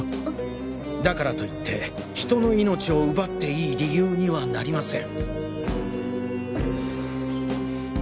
だからといって人の命を奪っていい理由にはなりません！